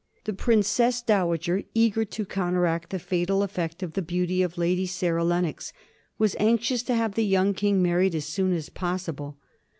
The Princess Dowager, eager to counteract the fatal effect of the beauty of Lady Sarah Lennox, was anxious to have the young King married as soon as possible.